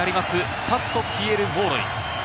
スタッド・ピエール・モーロイ。